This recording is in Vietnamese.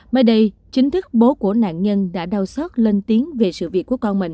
mới đây chính thức bố của nạn nhân đã đau xót lên tiếng về sự việc của con mình